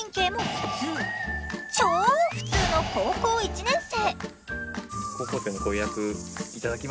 超普通の高校１年生。